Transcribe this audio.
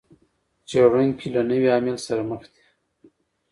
څېړونکي له نوي عامل سره مخ دي.